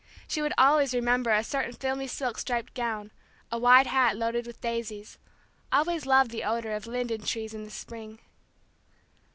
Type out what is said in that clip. She would always remember a certain filmy silk striped gown, a wide hat loaded with daisies; always love the odor of linden trees in the spring.